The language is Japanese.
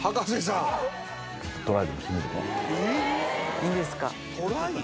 いいんですか？